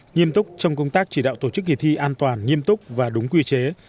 nghiêm túc trong công tác chỉ đạo tổ chức kỳ thi an toàn nghiêm túc và đúng quy chế